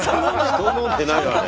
「人」飲んでないわね。